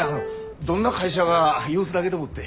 どんな会社が様子だげと思って。